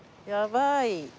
やばい。